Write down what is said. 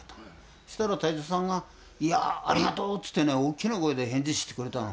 そしたら隊長さんが「いやあありがとう！」ってね大きな声で返事してくれたの。